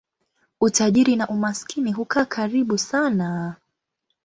Utajiri na umaskini hukaa karibu sana.